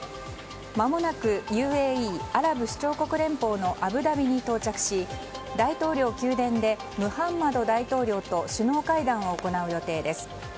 まもなくＵＡＥ・アラブ首長国連邦のアブダビに到着し、大統領宮殿でムハンマド大統領と首脳会談を行う予定です。